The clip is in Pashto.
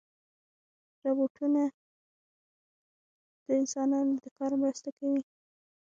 روبوټونه د انسانانو د کار مرسته کوي.